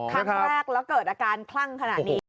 ครั้งแรกแล้วเกิดอาการคลั่งขนาดนี้